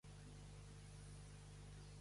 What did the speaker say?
Què li va oferir a Calzetta?